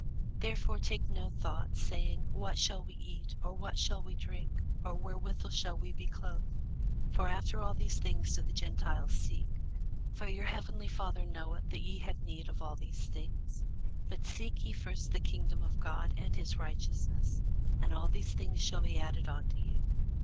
Therefore take no thought, saying, What shall we eat? or, What shall we drink? or, Wherewithal shall we be clothed? (for after all these things do the Gentiles seek:) for your heavenly Father knoweth that ye have need of all these things. But seek ye first the kingdom of God, and his righteousness; and all these things shall be added unto you.